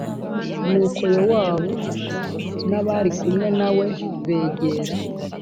nuko yowabu n abari kumwe na we begera